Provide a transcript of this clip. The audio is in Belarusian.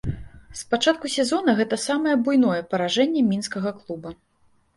З пачатку сезона гэта самае буйное паражэнне мінскага клуба.